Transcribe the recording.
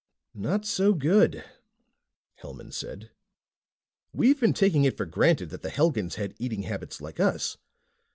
"Not so good," Hellman said. "We've been taking it for granted that the Helgans had eating habits like us.